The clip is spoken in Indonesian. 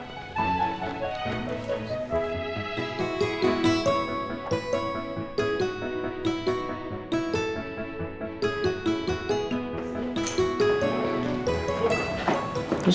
itu siapa tuh